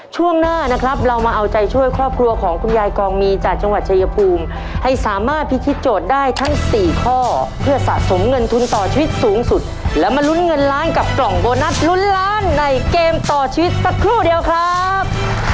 ช่วงหน้านะครับเรามาเอาใจช่วยครอบครัวของคุณยายกองมีจากจังหวัดชายภูมิให้สามารถพิธีโจทย์ได้ทั้งสี่ข้อเพื่อสะสมเงินทุนต่อชีวิตสูงสุดแล้วมาลุ้นเงินล้านกับกล่องโบนัสลุ้นล้านในเกมต่อชีวิตสักครู่เดียวครับ